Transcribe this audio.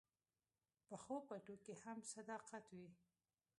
پخو پټو کې هم صداقت وي